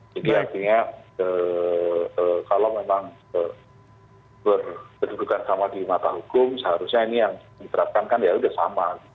jadi artinya kalau memang berkedudukan sama di mata hukum seharusnya ini yang diterapkan kan ya sudah sama